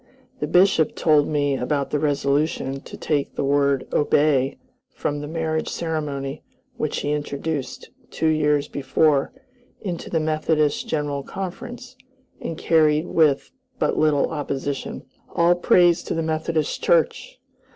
The Bishop told me about the resolution to take the word "obey" from the marriage ceremony which he introduced, two years before, into the Methodist General Conference and carried with but little opposition. All praise to the Methodist Church!